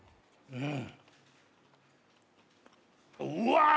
うん！